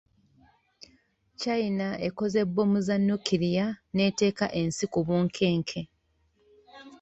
China ekoze bbomu za nukiriya n’eteeka ensi ku bunkenke.